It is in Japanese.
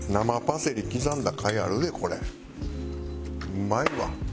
うまいわ。